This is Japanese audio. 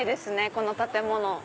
この建物。